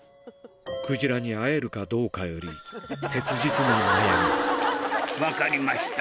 クジラに会えるかどうかより、分かりました。